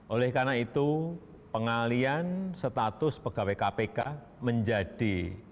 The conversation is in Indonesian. oleh karena itu pengalian status pegawai kpk menjadi